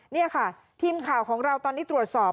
นี่ค่ะทีมข่าวของเราตอนนี้ตรวจสอบ